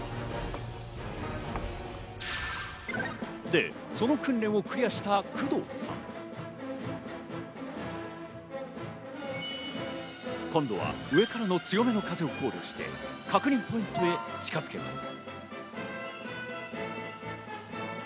で、その訓練をクリアした工藤さん。今度は上からの強めの風を考慮して、確認ポイントへ近づけます。